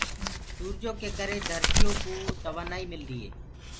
سوُرجو ڪي ڪري گر سي ڪوُ توآبآئي ميدي هي۔